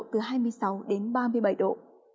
từ hai mươi sáu ba mươi bảy độ